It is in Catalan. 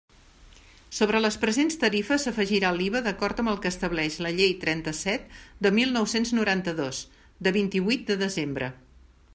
Sobre les presents tarifes s'afegirà l'IVA d'acord amb el que establix la Llei trenta-set de mil nou-cents noranta-dos, de vint-i-huit de desembre.